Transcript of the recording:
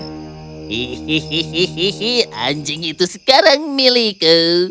hihihihi anjing itu sekarang milikku